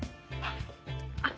あっ。